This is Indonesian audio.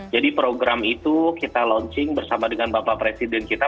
jadi program itu kita launching bersama dengan bapak presiden kita